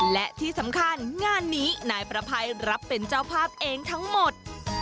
และที่สำคัญงานนี้นายประภัยรับเป็นเจ้าภาพเองทั้งหมด